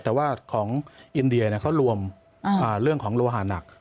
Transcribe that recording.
แต่ว่าของอินเดียเขารวมเรื่องของโลหะหนัก